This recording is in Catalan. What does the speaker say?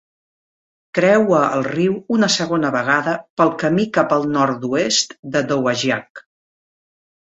Creua el riu una segona vegada pel camí cap al nord-oest de Dowagiac.